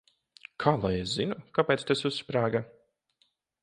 Kā lai es zinu, kāpēc tas uzsprāga?